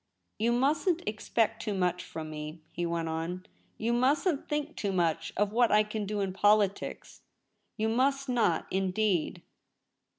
' You mustn't expect too much from me,' he went on. 'You mustn't think too much of what I can do in politics. You must not indeed.'